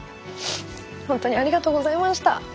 ほんとにありがとうございました。